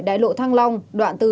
đại lộ thăng long đoạn từ